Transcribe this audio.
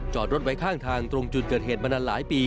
จอดรถไว้ข้างทางตรงจุดเกิดเหตุมานานหลายปี